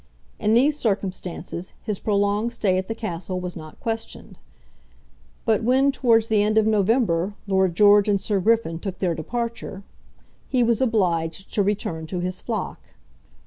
In these circumstances his prolonged stay at the castle was not questioned; but when towards the end of November Lord George and Sir Griffin took their departure, he was obliged to return to his flock.